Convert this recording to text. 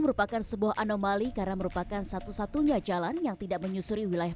merupakan sebuah anomali karena merupakan satu satunya jalan yang tidak menyusuri wilayah